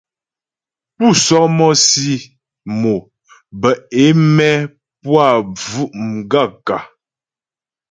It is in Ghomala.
Pú sɔ́mɔ́sì mo bə é mɛ́ pú a bvʉ̀' m gaə̂kə́ ?